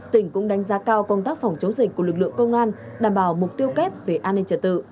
tỉnh cũng đánh giá cao công tác phòng chống dịch của lực lượng công an đảm bảo mục tiêu kép về an ninh trật tự